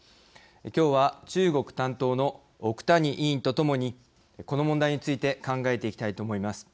今日は中国担当の奥谷委員とともにこの問題について考えていきたいと思います。